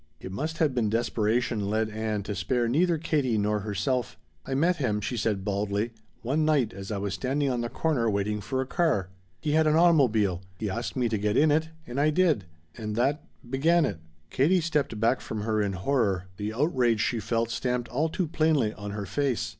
It must have been desperation led Ann to spare neither Katie nor herself. "I met him," she said baldly, "one night as I was standing on the corner waiting for a car. He had an automobile. He asked me to get in it and I did. And that began it." Katie stepped back from her in horror, the outrage she felt stamped all too plainly on her face.